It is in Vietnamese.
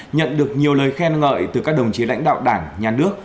nhận được nhiều lời khen ngợi từ các đồng chí lãnh đạo đảng nhà nước